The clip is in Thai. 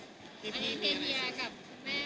ครับ